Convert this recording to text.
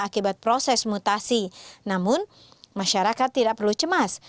akibat proses mutasi namun masyarakat tidak perlu cemas